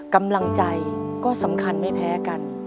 กำลังใจก็สำคัญไม่แพ้กัน